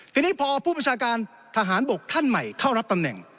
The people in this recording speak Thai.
ทีนี้พอผู้ประชาการทหารบกท่านใหม่เข้ารับตำแหน่ง